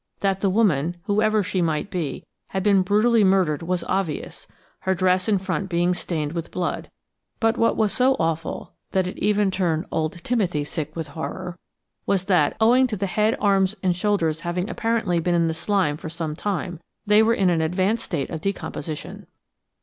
That the woman–whoever she might be–had been brutally murdered was obvious, her dress in front being stained with blood; but what was so awful that it even turned old Timothy sick with horror, was that, owing to the head, arms and shoulders having apparently been in the slime for some time, they were in an advanced state of decomposition.